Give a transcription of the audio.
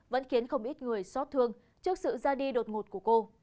vẫn khiến không ít người xót thương trước sự ra đi đột ngột của cô